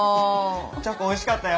チョコおいしかったよ。